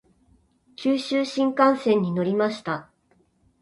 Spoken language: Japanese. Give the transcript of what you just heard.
九州新幹線に乗りました。